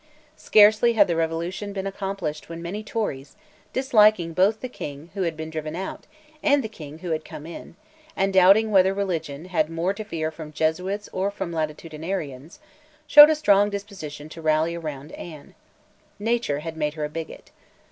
Scarcely had the Revolution been accomplished when many Tories, disliking both the King who had been driven out and the King who had come in, and doubting whether their religion had more to fear from Jesuits or from Latitudinarians, showed a strong disposition to rally round Anne. Nature had made her a bigot.